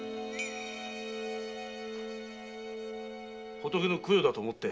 仏の供養だと思って！